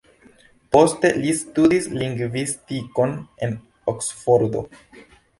Poste li studis lingvistikon en Oksfordo.